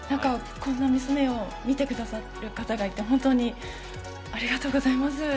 こんな娘を見てくださってる方がいて本当にありがとうございます。